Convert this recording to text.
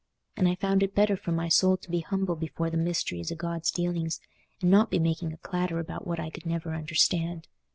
And I found it better for my soul to be humble before the mysteries o' God's dealings, and not be making a clatter about what I could never understand.